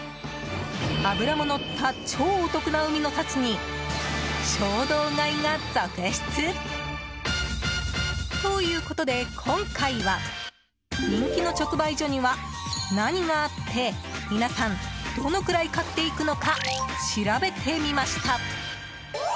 脂ものった超お得な海の幸に衝動買いが続出。ということで、今回は人気の直売所には何があって皆さん、どのくらい買っていくのか、調べてみました。